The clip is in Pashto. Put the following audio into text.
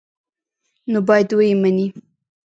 نو باید ویې مني.